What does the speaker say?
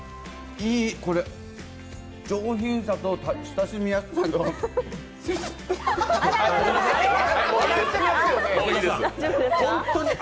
いい、これ、上品さと、親しみやすさと。